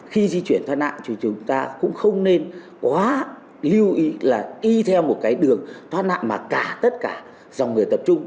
khi di chuyển thoát nạn thì chúng ta cũng không nên quá lưu ý là đi theo một cái đường thoát nạn mà cả tất cả dòng người tập trung